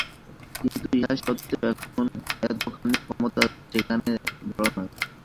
কিন্তু ইহা সত্ত্বেও এতখানি ক্ষমতা সেখানে ভাল নয়।